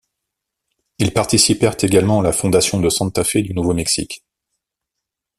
Ils participèrent également à la fondation de Santa Fe du nouveau-Mexique.